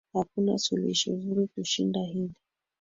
Hakuna suluhisho zuri kushinda hili.